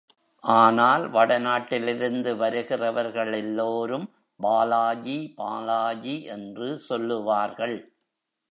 ஆனால் வடநாட்டிலிருந்து வருகிறவர்கள் எல்லோரும், பாலாஜி, பாலாஜி என்று சொல்லுவார்கள்.